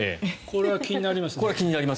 これは気になりますね。